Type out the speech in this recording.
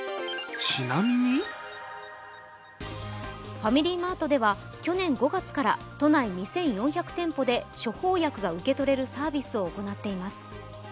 ファミリーマートでは去年５月から都内２４００店舗で処方薬が受け取れるサービスを行っています。